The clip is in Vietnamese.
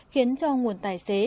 khiến cho nguồn tài xế